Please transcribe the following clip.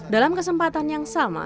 dalam kesempatan yang sama